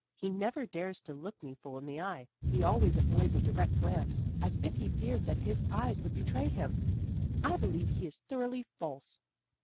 He never dares to look me full in the eye; he always avoids a direct glance, as if he feared that his eyes would betray him. I believe he is thoroughly false."